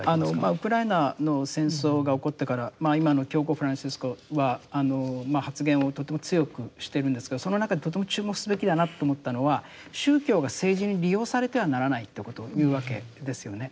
ウクライナの戦争が起こってから今の教皇フランシスコは発言をとても強くしてるんですけどその中でとても注目すべきだなと思ったのは宗教が政治に利用されてはならないってことを言うわけですよね。